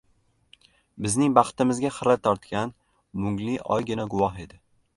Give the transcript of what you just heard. Bizning baxtimizga xira tortgan, mungli oygina guvoh edi…